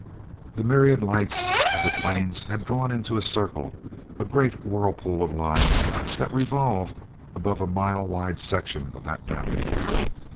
The myriad lights of the planes had drawn into a circle, a great whirlpool of lines that revolved above a mile wide section of that valley.